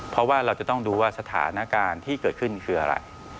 เพราะว่าเราจะต้องดูว่าสถานการณ์ที่เกิดขึ้นคืออะไร